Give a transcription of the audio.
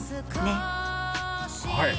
はい！